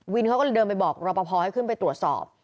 เขาก็เดินไปบอกรอปภให้ขึ้นไปตรวจสอบ